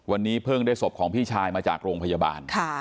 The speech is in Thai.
วันนี้เพิ่งได้ศพของพี่ชายมาจากโรงพยาบาล